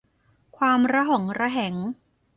ความระหองระแหง